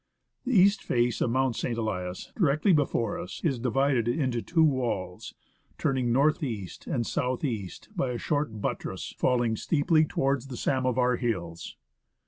The east face of Mount St. Elias, directly before us, is divided into two walls, turning north east and south east by a short buttress falling steeply towards the Samovar Hills.